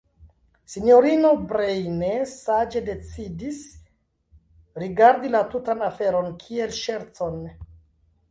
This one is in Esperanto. Sinjorino Breine saĝe decidis rigardi la tutan aferon kiel ŝercon.